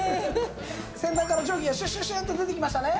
先端から蒸気がシュシュシューと出てきましたね？